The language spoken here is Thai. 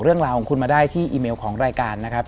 เรื่องราวของคุณมาได้ที่อีเมลของรายการนะครับ